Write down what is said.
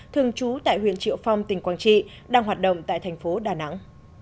thường trú tại huyện triệu phong tỉnh quảng trị đang hoạt động tại thành phố đà nẵng